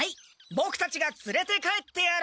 ボクたちがつれて帰ってやる。